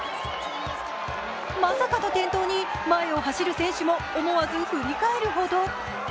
まさかの転倒に前を走る選手も思わず振り返るほど。